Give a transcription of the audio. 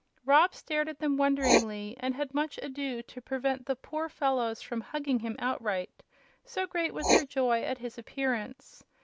Rob stared at them wonderingly, and had much ado to prevent the poor fellows from hugging him outright, so great was their joy at his appearance.